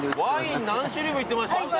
ワイン何種類もいってました。